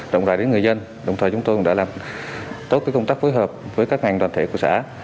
rộng rãi đến người dân đồng thời chúng tôi cũng đã làm tốt công tác phối hợp với các ngành đoàn thể của xã